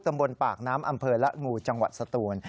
ตำบลปากน้ำอำเภอละงูจังหวัดสตูน